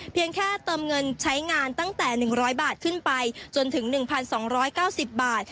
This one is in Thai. เพียงแค่เติมเงินใช้งานตั้งแต่๑๐๐บาทขึ้นไปจนถึง๑๒๙๐บาท